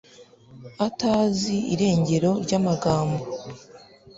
utazi irengero ry'amagambo